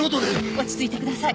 落ち着いてください。